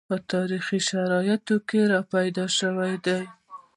په تاریخي شرایطو کې راپیدا شوي دي